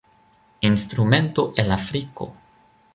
Instrumento el Afriko.